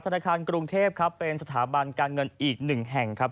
ธนาคารกรุงเทพครับเป็นสถาบันการเงินอีกหนึ่งแห่งครับ